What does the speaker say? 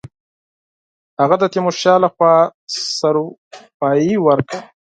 هغه ته د تیمورشاه له خوا سروپايي ورکړه.